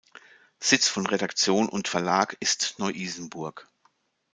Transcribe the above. Sitz von Redaktion und Verlag ist Neu-Isenburg.